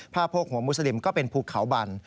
โพกหัวมุสลิมก็เป็นภูเขาบัน